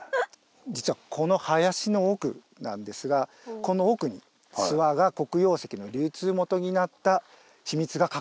実はこの林の奥なんですがこの奥に諏訪が黒曜石の流通元になった秘密が隠されてます。